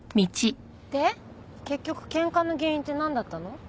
で結局喧嘩の原因ってなんだったの？